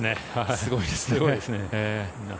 すごいですね。